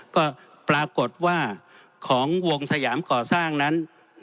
ก็ปรากฏว่าของวงสยามก่อสร้างนั้น